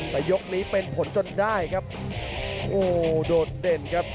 แต่ยกนี้เป็นผลจนได้ครับโอ้โหโดดเด่นครับ